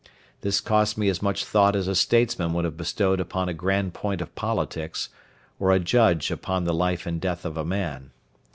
This cost me as much thought as a statesman would have bestowed upon a grand point of politics, or a judge upon the life and death of a man.